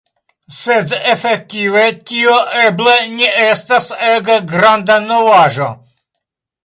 Sed efektive tio eble ne estas ege granda novaĵo.